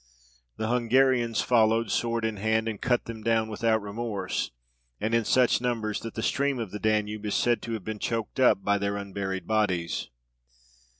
The Hungarians followed, sword in hand, and cut them down without remorse, and in such numbers, that the stream of the Danube is said to have been choked up by their unburied bodies.